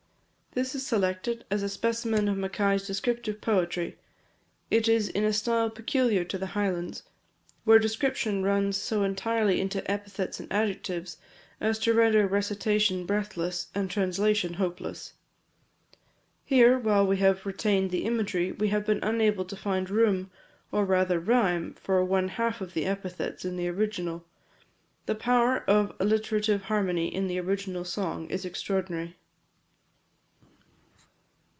This is selected as a specimen of Mackay's descriptive poetry. It is in a style peculiar to the Highlands, where description runs so entirely into epithets and adjectives, as to render recitation breathless, and translation hopeless. Here, while we have retained the imagery, we have been unable to find room, or rather rhyme, for one half of the epithets in the original. The power of alliterative harmony in the original song is extraordinary.